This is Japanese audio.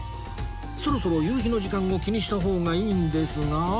そろそろ夕日の時間を気にした方がいいんですが